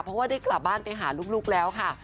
เพราะว่าได้กลับบ้านไปหาลูกแล้วค่ะ